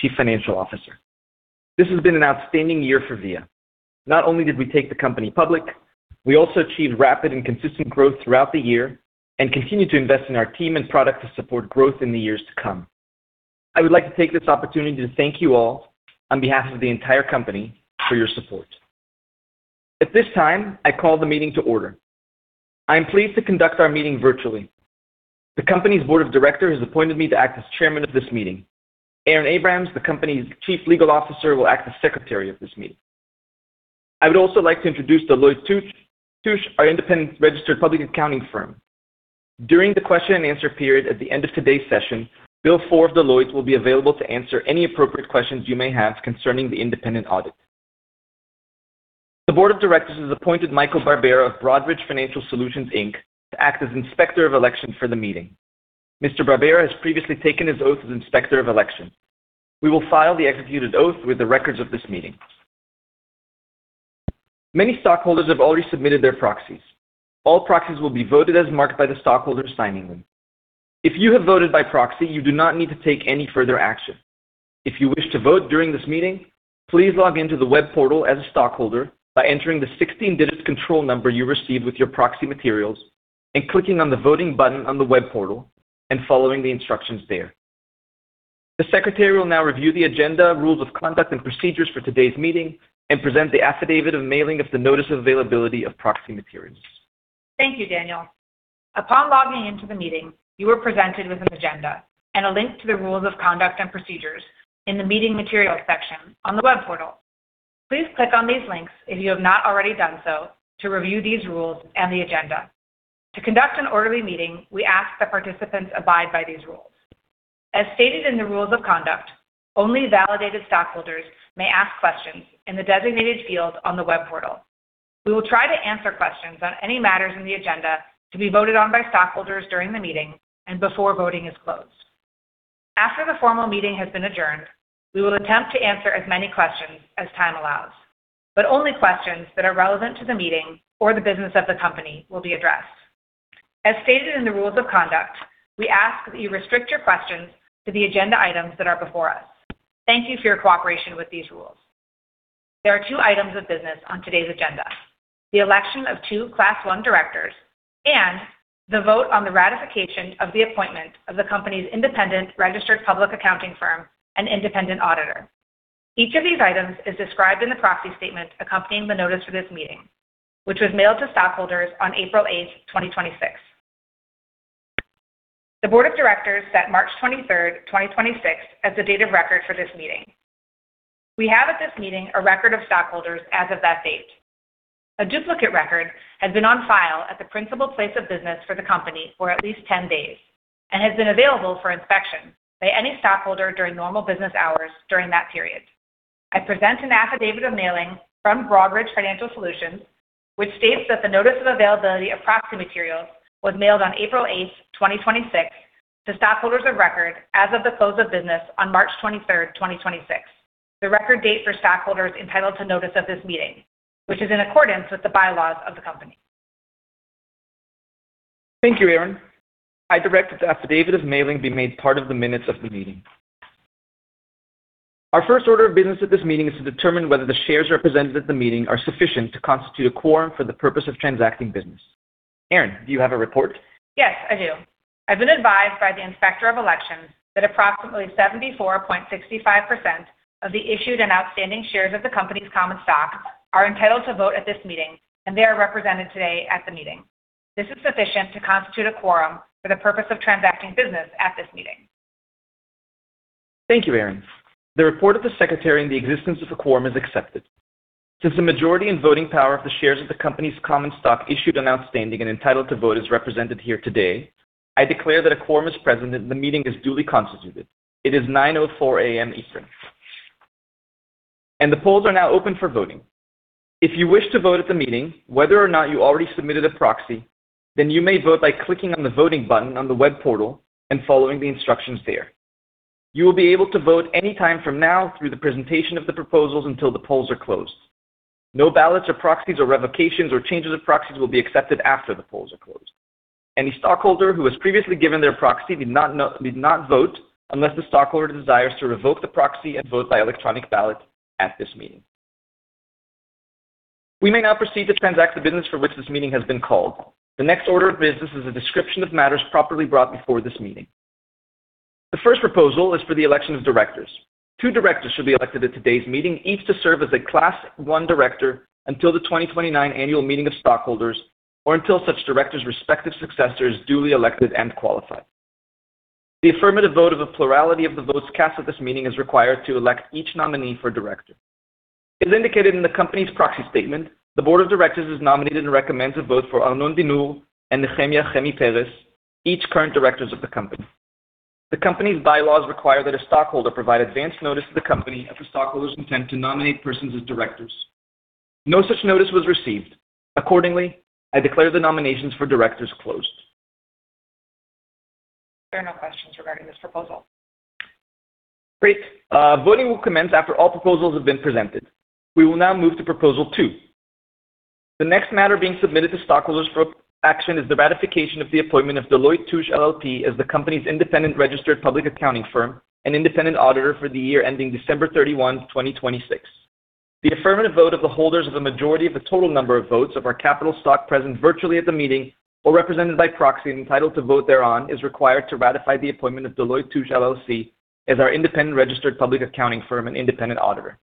Chief Financial Officer. This has been an outstanding year for Via. Not only did we take the company public, we also achieved rapid and consistent growth throughout the year and continue to invest in our team and product to support growth in the years to come. I would like to take this opportunity to thank you all on behalf of the entire company for your support. At this time, I call the meeting to order. I am pleased to conduct our meeting virtually. The company's board of directors has appointed me to act as Chairman of this meeting. Erin Abrams, the company's Chief Legal Officer, will act as Secretary of this meeting. I would also like to introduce Deloitte & Touche, our independent registered public accounting firm. During the question and answer period at the end of today's session, Bill Ford of Deloitte will be available to answer any appropriate questions you may have concerning the independent audit. The board of directors has appointed Michael Barbera of Broadridge Financial Solutions Inc. to act as Inspector of Election for the meeting. Mr. Barbera has previously taken his oath as Inspector of Election. We will file the executed oath with the records of this meeting. Many stockholders have already submitted their proxies. All proxies will be voted as marked by the stockholders signing them. If you have voted by proxy, you do not need to take any further action. If you wish to vote during this meeting, please log in to the web portal as a stockholder by entering the 16-digit control number you received with your proxy materials and clicking on the voting button on the web portal and following the instructions there. The secretary will now review the agenda, rules of conduct and procedures for today's meeting and present the affidavit of mailing of the notice of availability of proxy materials. Thank you, Daniel. Upon logging into the meeting, you were presented with an agenda and a link to the rules of conduct and procedures in the meeting materials section on the web portal. Please click on these links if you have not already done so to review these rules and the agenda. To conduct an orderly meeting, we ask that participants abide by these rules. As stated in the rules of conduct, only validated stockholders may ask questions in the designated field on the web portal. We will try to answer questions on any matters in the agenda to be voted on by stockholders during the meeting and before voting is closed. After the formal meeting has been adjourned, we will attempt to answer as many questions as time allows, but only questions that are relevant to the meeting or the business of the company will be addressed. As stated in the rules of conduct, we ask that you restrict your questions to the agenda items that are before us. Thank you for your cooperation with these rules. There are two items of business on today's agenda: the election of two Class I directors and the vote on the ratification of the appointment of the company's independent registered public accounting firm and independent auditor. Each of these items is described in the proxy statement accompanying the notice for this meeting, which was mailed to stockholders on April 8th, 2026. The board of directors set March 23rd, 2026 as the date of record for this meeting. We have at this meeting a record of stockholders as of that date. A duplicate record has been on file at the principal place of business for the company for at least 10 days and has been available for inspection by any stockholder during normal business hours during that period. I present an affidavit of mailing from Broadridge Financial Solutions, which states that the notice of availability of proxy materials was mailed on April 8th, 2026 to stockholders of record as of the close of business on March 23rd, 2026, the record date for stockholders entitled to notice of this meeting, which is in accordance with the bylaws of the company. Thank you, Erin. I direct that the affidavit of mailing be made part of the minutes of the meeting. Our first order of business at this meeting is to determine whether the shares represented at the meeting are sufficient to constitute a quorum for the purpose of transacting business. Erin, do you have a report? Yes, I do. I've been advised by the Inspector of Election that approximately 74.65% of the issued and outstanding shares of the company's common stock are entitled to vote at this meeting, and they are represented today at the meeting. This is sufficient to constitute a quorum for the purpose of transacting business at this meeting. Thank you, Erin. The report of the secretary and the existence of a quorum is accepted. Since the majority and voting power of the shares of the company's common stock issued and outstanding and entitled to vote is represented here today, I declare that a quorum is present and the meeting is duly constituted. It is 9:04 A.M. Eastern, and the polls are now open for voting. If you wish to vote at the meeting, whether or not you already submitted a proxy, then you may vote by clicking on the voting button on the web portal and following the instructions there. You will be able to vote any time from now through the presentation of the proposals until the polls are closed. No ballots or proxies or revocations or changes of proxies will be accepted after the polls are closed. Any stockholder who has previously given their proxy need not vote unless the stockholder desires to revoke the proxy and vote by electronic ballot at this meeting. We may now proceed to transact the business for which this meeting has been called. The next order of business is a description of matters properly brought before this meeting. The first proposal is for the election of directors. Two directors shall be elected at today's meeting, each to serve as a Class I director until the 2029 annual meeting of stockholders or until such director's respective successor is duly elected and qualified. The affirmative vote of a plurality of the votes cast at this meeting is required to elect each nominee for director. As indicated in the company's proxy statement, the board of directors has nominated and recommends a vote for Arnon Dinur and Nechemia "Chemi" Peres, each current directors of the company. The company's bylaws require that a stockholder provide advance notice to the company of a stockholder's intent to nominate persons as directors. No such notice was received. Accordingly, I declare the nominations for directors closed. There are no questions regarding this proposal. Great. Voting will commence after all proposals have been presented. We will now move to proposal two. The next matter being submitted to stockholders for action is the ratification of the appointment of Deloitte & Touche LLP as the company's independent registered public accounting firm and independent auditor for the year ending December 31, 2026. The affirmative vote of the holders of the majority of the total number of votes of our capital stock present virtually at the meeting or represented by proxy entitled to vote thereon is required to ratify the appointment of Deloitte & Touche LLP as our independent registered public accounting firm and independent auditor.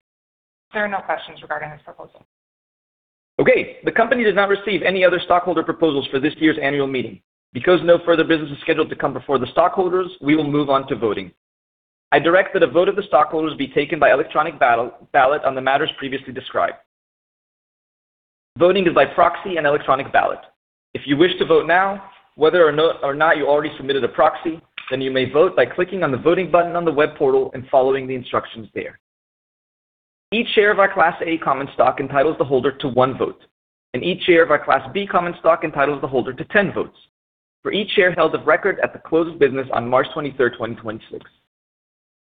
There are no questions regarding this proposal. Okay. No further business is scheduled to come before the stockholders, we will move on to voting. I direct that a vote of the stockholders be taken by electronic ballot on the matters previously described. Voting is by proxy and electronic ballot. If you wish to vote now, whether or not you already submitted a proxy, then you may vote by clicking on the voting button on the web portal and following the instructions there. Each share of our Class A common stock entitles the holder to one vote, and each share of our Class B common stock entitles the holder to 10 votes. For each share held of record at the close of business on March 23rd, 2026.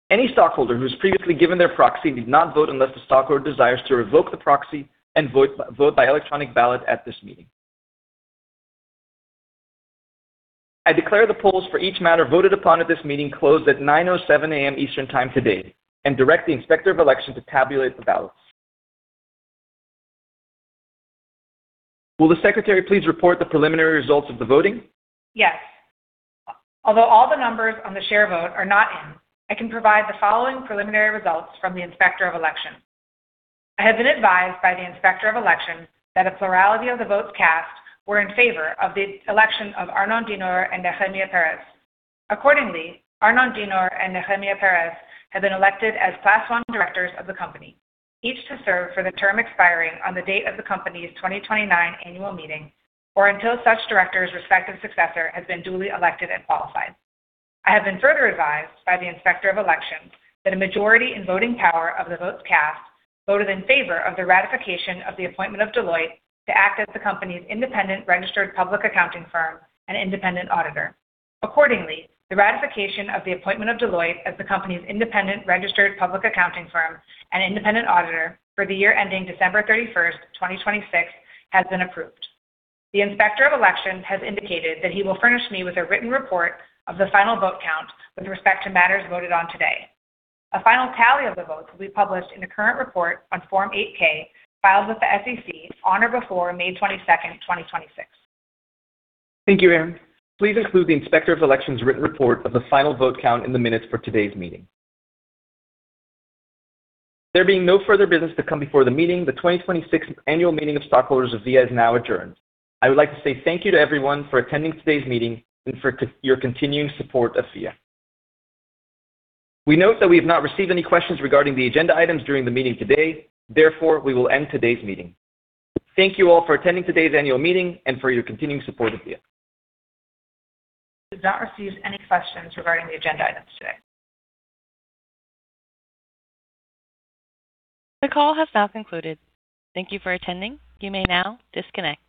Any stockholder who has previously given their proxy need not vote unless the stockholder desires to revoke the proxy and vote by electronic ballot at this meeting. I declare the polls for each matter voted upon at this meeting closed at 9:07 A.M. Eastern time today and direct the Inspector of Election to tabulate the ballots. Will the secretary please report the preliminary results of the voting? Yes. Although all the numbers on the share vote are not in, I can provide the following preliminary results from the Inspector of Election. I have been advised by the Inspector of Election that a plurality of the votes cast were in favor of the election of Arnon Dinur and Nechemia Peres. Accordingly, Arnon Dinur and Nechemia Peres have been elected as Class I directors of the company, each to serve for the term expiring on the date of the company's 2029 annual meeting or until such director's respective successor has been duly elected and qualified. I have been further advised by the Inspector of Election that a majority in voting power of the votes cast voted in favor of the ratification of the appointment of Deloitte to act as the company's independent registered public accounting firm and independent auditor. Accordingly, the ratification of the appointment of Deloitte as the company's independent registered public accounting firm and independent auditor for the year ending December 31st, 2026, has been approved. The Inspector of Election has indicated that he will furnish me with a written report of the final vote count with respect to matters voted on today. A final tally of the votes will be published in a current report on Form 8-K filed with the SEC on or before May 22nd, 2026. Thank you, Erin. Please include the Inspector of Election's written report of the final vote count in the minutes for today's meeting. There being no further business to come before the meeting, the 2026 annual meeting of stockholders of Via is now adjourned. I would like to say thank you to everyone for attending today's meeting and for your continuing support of Via. We note that we have not received any questions regarding the agenda items during the meeting today. We will end today's meeting. Thank you all for attending today's annual meeting and for your continuing support of Via. We have not received any questions regarding the agenda items today. The call has now concluded. Thank you for attending. You may now disconnect.